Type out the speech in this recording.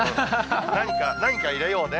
何か、何か入れようね。